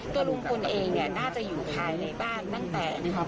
ตัวลุงพลเองเนี่ยน่าจะอยู่ภายในบ้านตั้งแต่นะครับ